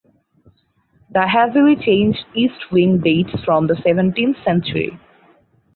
The heavily changed east wing dates from the seventeenth century.